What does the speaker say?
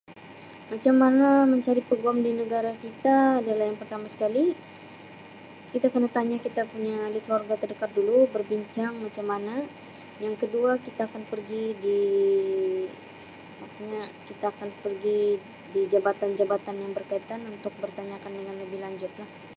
Macam mana mencari peguam di negara kita adalah yang pertama sekali kita kena tanya kita punya ahli keluarga terdekat kita dulu berbincang macam mana. Yang kedua kita akan pergi di maksudnya kita akan pergi di jabatan-jabatan yang berkaitan untuk bertanyakan dengan lebih lanjut lah.